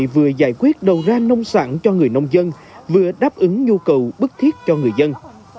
vừa giải quyết đầu ra nông sản cho người nông dân vừa đáp ứng nhu cầu bức thiết cho người dân